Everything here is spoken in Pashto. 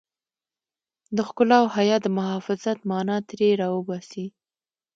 د ښکلا او حيا د محافظت مانا ترې را وباسي.